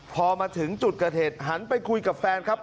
พอมาถึงจุดเกิดเหตุหันไปคุยกับแฟนครับ